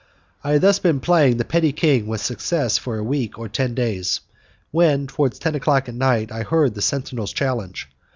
I had thus been playing the petty king with success for a week or ten days, when, towards ten o'clock at night I heard the sentinel's challenge.